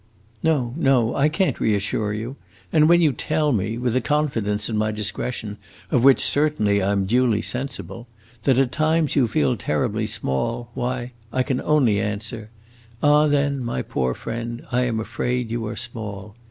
No, no, I can't reassure you; and when you tell me with a confidence in my discretion of which, certainly, I am duly sensible that at times you feel terribly small, why, I can only answer, 'Ah, then, my poor friend, I am afraid you are small.